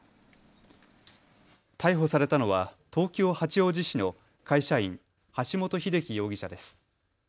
逮捕されたのは東京八王子市の会社員、橋本英樹容疑者です。